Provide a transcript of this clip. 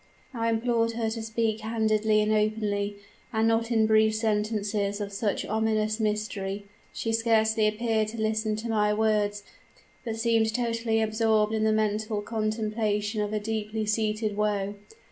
"I implored her to speak candidly and openly, and not in brief sentences of such ominous mystery. She scarcely appeared to listen to my words, but seemed totally absorbed in the mental contemplation of a deeply seated woe.